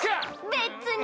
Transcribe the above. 別に。